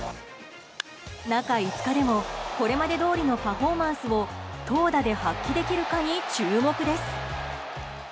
中５日でも、これまでどおりのパフォーマンスを投打で発揮できるかに注目です。